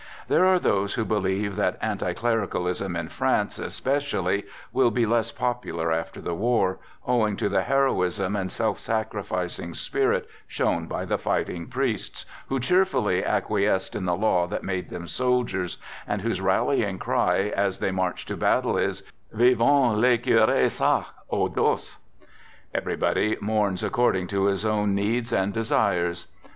There are those who believe that anti clericalism in France especially will be less popular after the war, owing to the heroism and self sacrificing spirit shown by the fighting priests, who cheerfully acqui esced in the law that made them soldiers, and whose rallying cry as they march to battle is :" Vivent les cures sac au dos! " Everybody mourns according to his own needs and desires.